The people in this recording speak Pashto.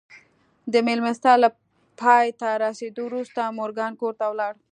د مېلمستیا له پای ته رسېدو وروسته مورګان کور ته ولاړ